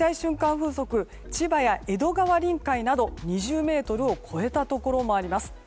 風速千葉や江戸川臨海など２０メートルを超えたところもあります。